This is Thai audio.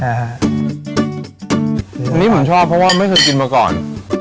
อันนี้ผมชอบเพราะว่าไม่เคยกินมาก่อน